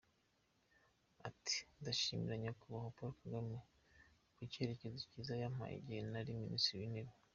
Ati :”Ndashimira Nyakubahwa Paul Kagame ku cyerekezo cyiza yampaye igihe nari Minisitiri w’Intebe.